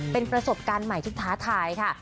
วังการใหม่ที่ท้าทายค่ะ